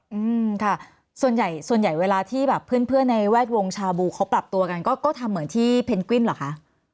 อืมค่ะส่วนใหญ่ส่วนใหญ่เวลาที่แบบเพื่อนเพื่อนในแวดวงชาบูเขาปรับตัวกันก็ก็ทำเหมือนที่เพนกวินเหรอคะ